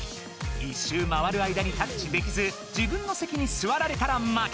１しゅう回る間にタッチできず自分の席に座られたら負け！